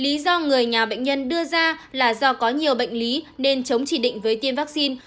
lý do người nhà bệnh nhân đưa ra là do có nhiều bệnh lý nên chống chỉ định với tiêm vaccine